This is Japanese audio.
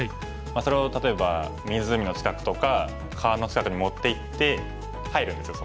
それを例えば湖の近くとか川の近くに持っていって入るんですよ